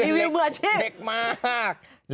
รีวิวเมื่ออาชีพ